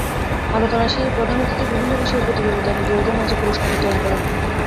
আলোচনা শেষে প্রধান অতিথি বিভিন্ন বিষয়ে প্রতিযোগিতায় বিজয়ীদের মাঝে পুরস্কার বিতরণ করেন।